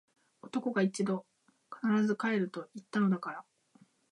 男が一度・・・！！！必ず帰ると言ったのだから！！！